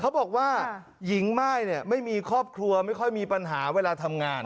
เขาบอกว่าหญิงม่ายเนี่ยไม่มีครอบครัวไม่ค่อยมีปัญหาเวลาทำงาน